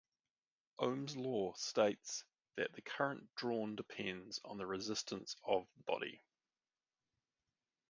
Ohm's law states that the current drawn depends on the resistance of the body.